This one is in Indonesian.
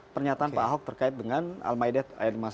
pernyataan pak ahok terkait dengan al maidat ayat lima puluh satu